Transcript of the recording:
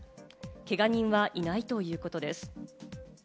けが人はいないということです。